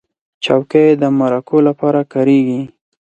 چوکۍ د مرکو لپاره کارېږي.